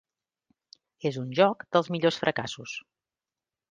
És un joc dels millors fracassos.